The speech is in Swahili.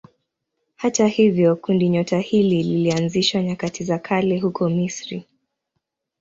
Hata hivyo kundinyota hili lilianzishwa nyakati za kale huko Misri.